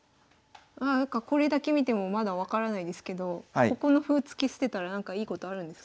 これだけ見てもまだ分からないですけどここの歩を突き捨てたらなんかいいことあるんですか？